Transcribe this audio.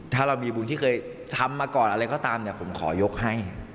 ถ้าเรามีบุญที่เคยทำมาก่อนอะไรก็ตามเนี่ยผมขอยกให้